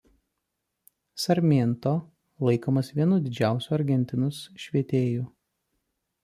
Sarmiento laikomas vienu didžiausių Argentinos švietėjų.